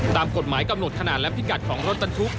ตามกฎหมายกำหนดขนาดและพิกัดของรถบรรทุก